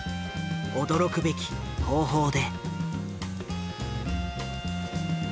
驚くべき方法で。